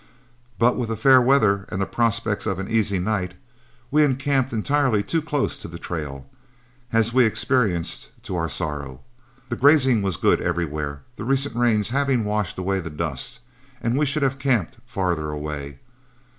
But with the fair weather and the prospects of an easy night, we encamped entirely too close to the trail, as we experienced to our sorrow. The grazing was good everywhere, the recent rains having washed away the dust, and we should have camped farther away.